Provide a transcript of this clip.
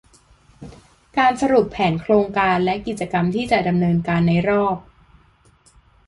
การสรุปแผนโครงการและกิจกรรมที่จะดำเนินการในรอบ